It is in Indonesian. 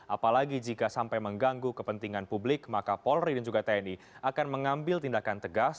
apalagi jika sampai mengganggu kepentingan publik maka polri dan juga tni akan mengambil tindakan tegas